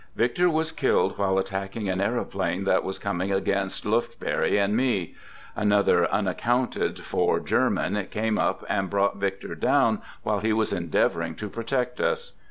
Victor was Skilled while attacking an aeroplane that was coming jagainst Lufbery and me. Another unaccounted for j German came up and brought Victor down while he J was endeavoring to protect us.